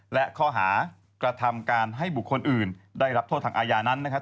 และข้อหากระทำการให้บุคคลอื่นได้รับโทษทางอาญานั้นนะครับ